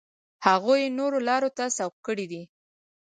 هغوی یې نورو لارو ته سوق کړي دي.